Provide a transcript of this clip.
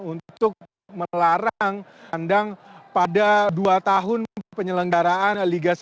untuk melarang kandang pada dua tahun penyelenggaraan liga satu